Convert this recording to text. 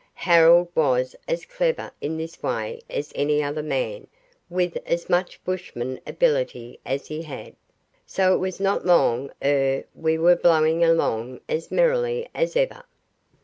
Harold was as clever in this way as any other man with as much bushman ability as he had, so it was not long ere we were bowling along as merrily as ever.